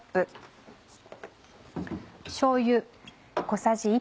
しょうゆ。